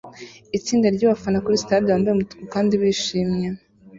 Itsinda ryabafana kuri stade bambaye umutuku kandi bishimye